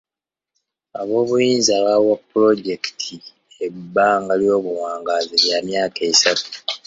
Ab'obuyinza baawa pulojekiti ebbanga ly'obuwangaazi lya myaka esatu.